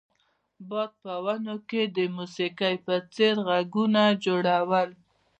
باد په ونو کې د موسیقۍ په څیر غږونه جوړول